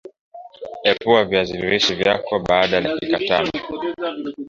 Epua viazilishe vyako baada ya dakika tano